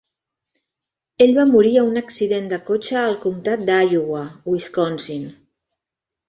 Ell va morir a un accident de cotxe al comtat d'Iowa, Wisconsin.